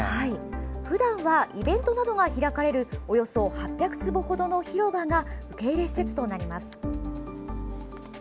普段はイベントなどが開かれるおよそ８００坪程の広場が受け入れ施設となります。